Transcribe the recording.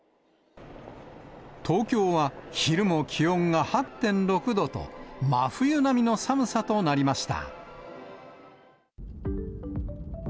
東京は昼も気温が８．６度と、真冬並みの寒さとなりました。